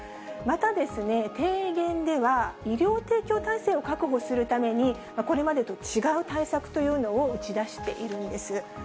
またですね、提言では医療提供体制を報告するために、これまでと違う対策というのを打ち出しているんです。